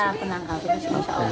ya penangkap virus